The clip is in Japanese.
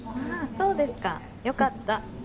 そうですかよかった